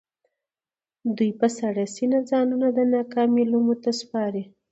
دوی په سړه سينه ځانونه د ناکامۍ لومو ته سپاري.